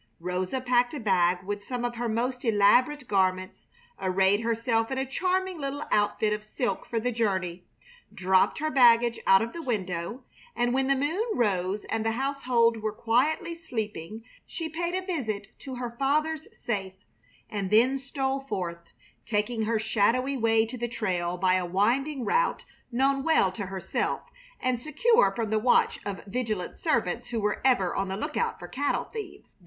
Rosa packed a bag with some of her most elaborate garments, arrayed herself in a charming little outfit of silk for the journey, dropped her baggage out of the window; and when the moon rose and the household were quietly sleeping she paid a visit to her father's safe, and then stole forth, taking her shadowy way to the trail by a winding route known well to herself and secure from the watch of vigilant servants who were ever on the lookout for cattle thieves.